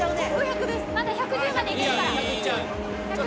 まだ１１０までいけるから。